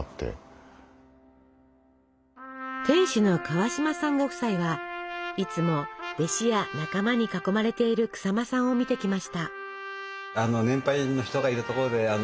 店主の川島さんご夫妻はいつも弟子や仲間に囲まれている日馬さんを見てきました。